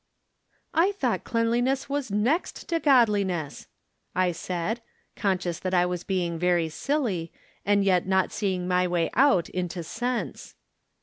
" I thought cleanliness was next to godliness," I said, conscious that I was being very silly, and yet not seeing my way out into sense.